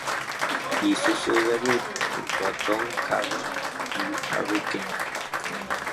Hizo su debut junto a Tom Carroll y Harry Kane.